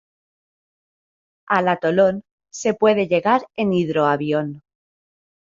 Al atolón se puede llegar en hidroavión.